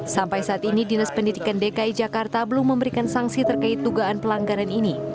sampai saat ini dinas pendidikan dki jakarta belum memberikan sanksi terkait dugaan pelanggaran ini